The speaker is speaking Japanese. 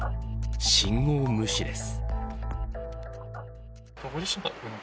信号無視です。